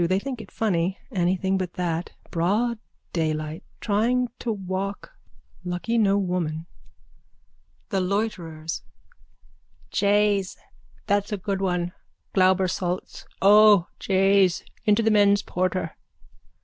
They think it funny. Anything but that. Broad daylight. Trying to walk. Lucky no woman. THE LOITERERS: Jays, that's a good one. Glauber salts. O jays, into the men's porter.